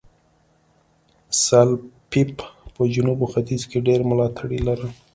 سلپيپ په جنوب او ختیځ کې ډېر ملاتړي لرل.